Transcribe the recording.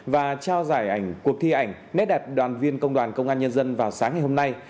và trao giải ảnh cuộc thi ảnh nét đẹp đoàn viên công đoàn công an nhân dân vào sáng ngày hôm nay